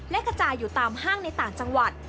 และกระจายอยู่ตามห้างในต่างจังหวัด